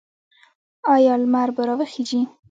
آیا لمر به راوخیږي؟